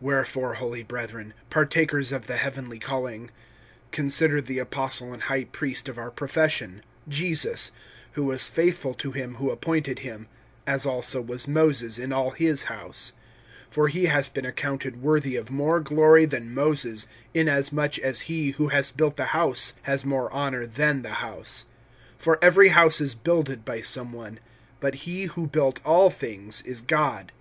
WHEREFORE, holy brethren, partakers of the heavenly calling, consider the Apostle and High Priest of our profession, Jesus, (2)who was faithful to him who appointed him, as also was Moses in all His house. (3)For he has been accounted worthy of more glory than Moses, inasmuch as he who has built the house has more honor than the house. (4)For every house is builded by some one; but he who built all things is God.